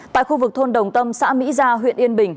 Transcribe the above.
tại khu vực thôn đồng tâm xã mỹ gia huyện yên bình